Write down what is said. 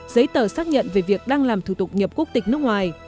giấy tờ xác nhận về việc đang làm thủ tục nhập quốc tịch nước ngoài